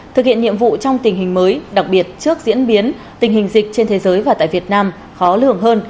thực hiện nhiệm vụ trong tình hình mới đặc biệt trước diễn biến tình hình dịch trên thế giới và tại việt nam khó lường hơn